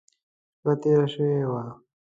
شپه تېره شوې وه.